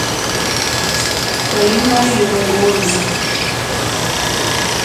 Tɔ̀ímá !yóŋɡólì.